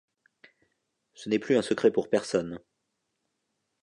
Ce n'est plus un secret pour personne.